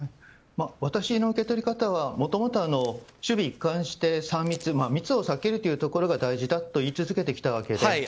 私の受け取り方はもともとは、首尾一貫して３密、密を避けるというところが大事だと言い続けてきたわけで。